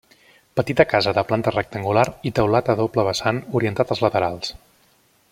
Petita casa de planta rectangular i teulat a doble vessant orientat als laterals.